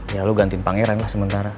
ya lu gantiin pangeran lah sementara